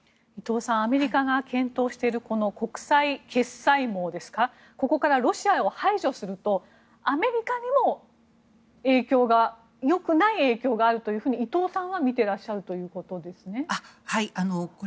伊藤さん、アメリカが検討している国際決済網からロシアを排除するとアメリカにもよくない影響があると伊藤さんは見てらっしゃるということですね。